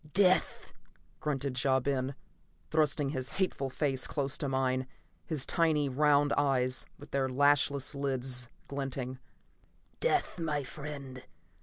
"Death!" grunted Ja Ben, thrusting his hateful face close to mine, his tiny round eyes, with their lashless lids glinting. "Death, my friend.